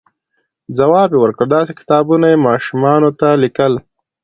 ځواب یې ورکړ، داسې کتابونه یې ماشومانو ته لیکل،